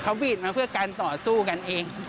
เขาบีดมาเพื่อการต่อสู้กันเอง